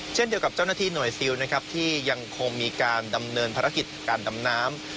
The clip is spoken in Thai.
เช่นเดียวกับเจ้าหน้าที่หน่วยซิลนะครับที่ยังคงมีการดำเนินภารกิจการดำน้ำ